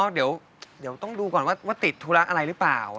เดี๋ยวต้องดูก่อนว่าติดธุระอะไรหรือเปล่า